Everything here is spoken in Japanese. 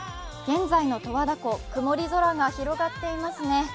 現在の十和田湖、曇り空が広がっていますね。